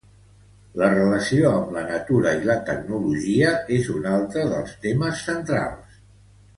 La relació amb la natura i la tecnologia és un altre dels temes centrals.